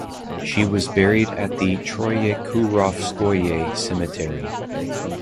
She was buried at the Troyekurovskoye Cemetery.